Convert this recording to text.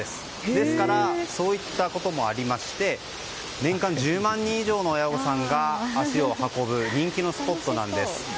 ですからそういったこともありまして年間１０万人以上の親御さんが足を運ぶ人気のスポットなんです。